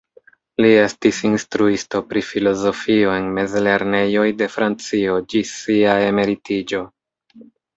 Li estis instruisto pri filozofio en mezlernejoj de Francio ĝis sia emeritiĝo.